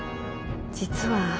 実は。